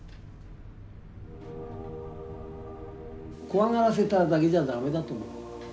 怖がらせただけじゃ駄目だと思うの。